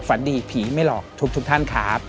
ฝันดีผีไม่หลอกทุกท่านครับ